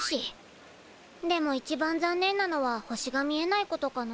でもいちばん残念なのは星が見えないことかな。